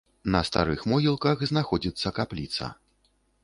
На старых могілках знаходзіцца капліца.